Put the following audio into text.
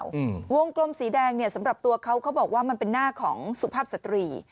วงกลมสีแดงเนี้ยสำหรับตัวเขาเขาบอกว่ามันเป็นหน้าของสุภาพสตรี